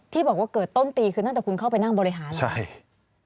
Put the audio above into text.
ที่บอกว่าเกิดต้นปีคือตั้งแต่คุณเข้าไปนั่งบริหารแล้วใช่